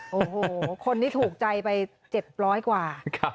โอ้โหคนที่ถูกใจไป๗๐๐กว่า